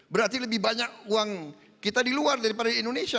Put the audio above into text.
berarti lebih banyak uang kita di luar daripada di indonesia